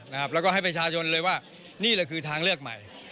แล้วก็ให้ประชาชนเลยว่านี่แหละคือทางเลือกใหม่